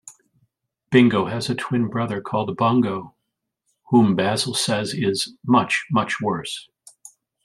Bingo has a twin brother called Bungo whom Basil says is "much, much worse".